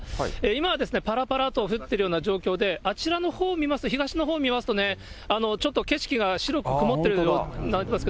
今はぱらぱらと降ってるような状況で、あちらのほう見ますと、東のほう見ますと、ちょっと景色が白く曇ってる。